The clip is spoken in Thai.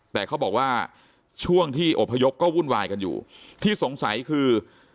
แต่เขาบอกว่าช่วงที่อบพยพก็วุ่นวายกันอยู่ที่สงสัยคือ